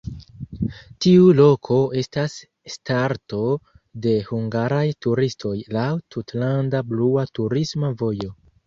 Tiu loko estas starto de hungaraj turistoj laŭ "tutlanda blua turisma vojo".